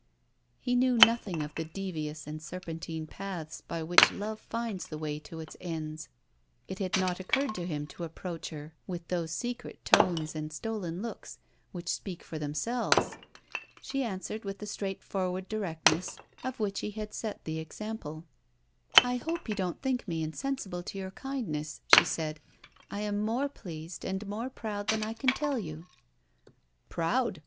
He knew nothing of the devious and serpentine paths by which love finds the way to its ends. It had not occurred to him to approach her with those secret tones and stolen looks which speak for themselves. She answered with the straightforward directness of which he had set the example. "I hope you don't think me insensible to your kindness," she said. "I am more pleased and more proud than I can tell you." "Proud!"